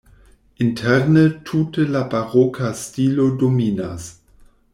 Interne tute la baroka stilo dominas.